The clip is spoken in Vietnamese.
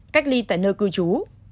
cách ly tại nơi cư trú